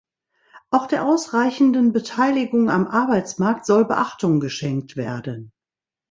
Auch der ausreichenden Beteiligung am Arbeitsmarkt soll Beachtung geschenkt werden.